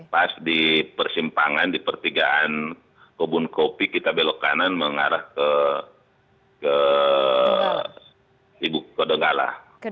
pas di persimpangan di pertigaan kebun kopi kita belok kanan mengarah ke ibu kota donggala